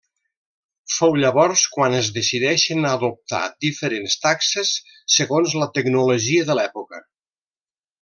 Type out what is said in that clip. Fou llavors quan es decideixen adoptar diferents taxes segons la tecnologia de l'època.